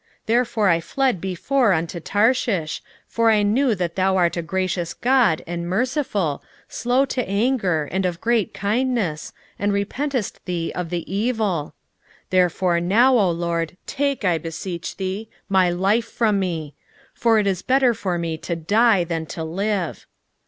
Therefore I fled before unto Tarshish: for I knew that thou art a gracious God, and merciful, slow to anger, and of great kindness, and repentest thee of the evil. 4:3 Therefore now, O LORD, take, I beseech thee, my life from me; for it is better for me to die than to live.